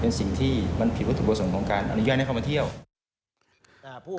เป็นสิ่งที่มันผิดวัตถุประสงค์ของการอนุญาตให้เข้ามาเที่ยว